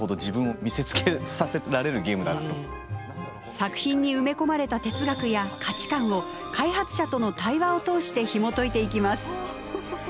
作品に埋め込まれた哲学や価値観を開発者との対話を通してひもといていきます。